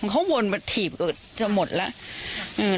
เขาวนมาถีบจะหมดแล้ว